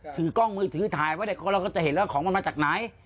ถือกล้องมือถือถ่ายไว้เราก็จะเห็นแล้วของมันมาจากไหน